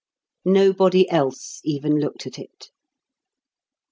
Nobody else even looked at it.